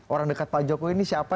orang dekat pak jokowi ini siapa